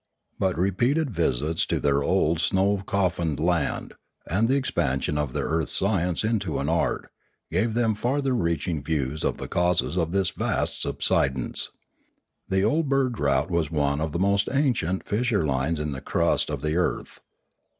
But repeated visits to their old snow coffined land, and the expansion of their earth science into an art, gave them farther reaching views of the causes of this vast subsidence. The old bird route was one of the most ancient fissure lines in the crust of the earth.